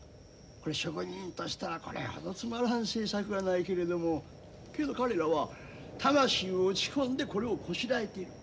これ職人としたらこれほどつまらん制作はないけれどもけど彼らは魂を打ち込んでこれをこしらえてる。